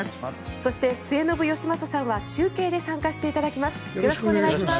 そして末延吉正さんは中継で参加していただきます。